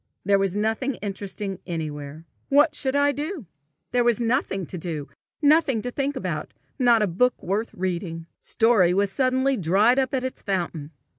There was nothing interesting anywhere. What should I do? There was nothing to do, nothing to think about, not a book worth reading. Story was suddenly dried up at its fountain.